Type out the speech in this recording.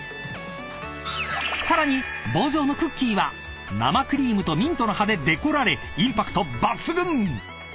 ［さらに棒状のクッキーは生クリームとミントの葉でデコられインパクト抜群！］